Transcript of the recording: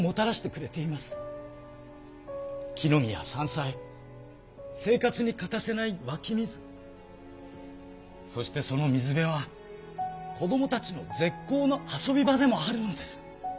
きのみや山菜生活に欠かせないわき水そしてその水辺はこどもたちの絶好の遊び場でもあるんです。